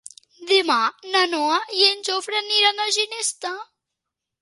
Demà na Noa i en Jofre aniran a Ginestar.